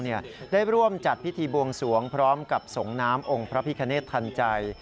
ได้ร่วมจัดพิธีบวงสวงพร้อมกับสงน้ำองค์พระพิคเนธทันใจ